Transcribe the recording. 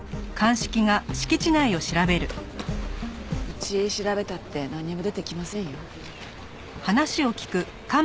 うち調べたってなんにも出てきませんよ。